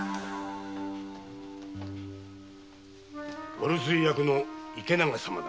お留守居役の池永様だ。